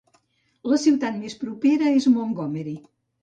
La ciutat més propera és Montgomery.